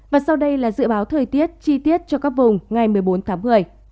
và sau đây là dự báo thời tiết chi tiết cho các vùng ngày một mươi bốn tháng một mươi